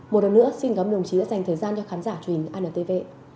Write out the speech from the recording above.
một lần nữa xin cảm ơn đồng chí đã dành thời gian cho khán giả truyền anntv